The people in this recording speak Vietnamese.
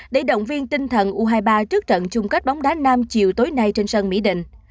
để động viên tinh thần u hai mươi ba trước trận chung kết bóng đá nam chiều tối nay trên sân mỹ đình